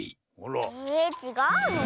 えちがうの？